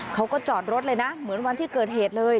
เขาก็จอดรถเลยนะเหมือนวันที่เกิดเหตุเลย